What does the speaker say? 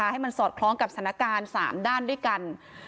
ให้มันสอดคล้องกับสถานการณ์๓ด้านด้วยกัน